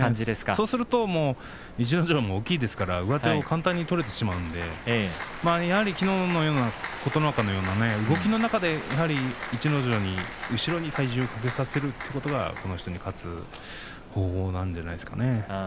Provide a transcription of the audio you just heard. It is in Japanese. そうすると逸ノ城も大きいですから上手を簡単に取れてしまうんでやはりきのうの琴ノ若のような動きの中で逸ノ城に後ろに体重をかけさせるということが、この人に勝つ方法なんじゃないですかね。